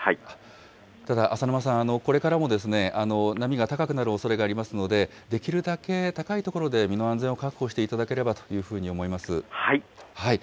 ただ、浅沼さん、これからも波が高くなるおそれがありますので、できるだけ高い所で身の安全を確保していただければというふうに思います。